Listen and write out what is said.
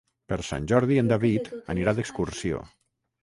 Per Sant Jordi en David anirà d'excursió.